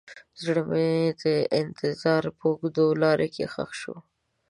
زړه مې د انتظار په اوږده لاره کې ښخ شو.